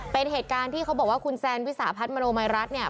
เป็นเหตุการณ์ที่เขาบอกว่าคุณแซนวิสาพัฒน์มโนมัยรัฐเนี่ย